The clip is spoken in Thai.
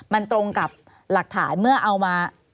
มันตรงกับหลักฐานเมื่อเอามา